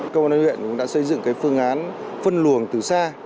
công an huyện cũng đã xây dựng phương án phân luồng từ xa